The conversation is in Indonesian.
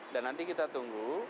dan nanti kita tunggu